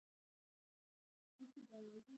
د پلورنځي تخفیفونه پیرودونکو ته ګټور دي.